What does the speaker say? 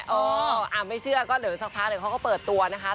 ถ้าไม่เชื่อก็เดินสักพักเขาก็เปิดตัวนะคะ